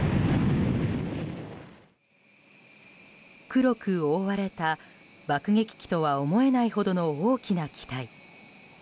黒く覆われた、爆撃機とは思えないほどの大きな機体。